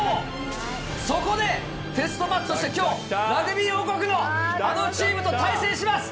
そこで、テストマッチとしてきょう、ラグビー王国のあのチームと対戦します。